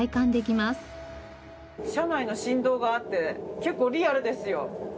車内の振動があって結構リアルですよ。